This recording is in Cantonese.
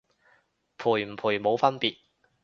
賠唔賠冇分別